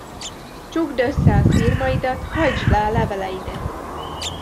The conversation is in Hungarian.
Csukd össze a szirmaidat, hajtsd le a leveleidet!